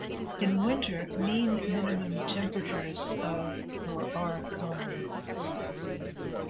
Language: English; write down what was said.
In winter mean minimum temperatures of or are common.